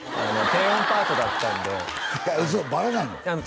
低音パートだったんでバレないの？